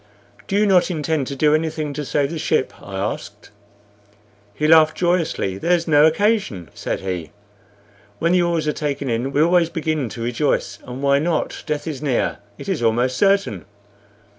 "Do you not intend to do anything to save the ship?" I asked. He laughed joyously. "There's no occasion," said he. "When the oars are taken in we always begin to rejoice. And why not? Death is near it is almost certain.